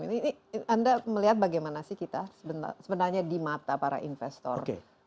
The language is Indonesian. ini anda melihat bagaimana sih kita sebenarnya di mata para investor